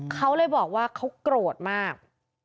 เขาเลยบอกว่าเขาโกรธมาก